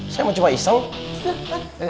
saya mau cuma iseng